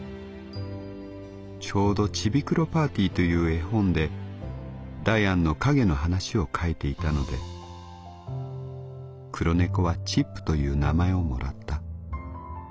ちょうど『チビクロ・パーティ』という絵本でダヤンの影の話を書いていたので黒猫はチップという名前をもらった。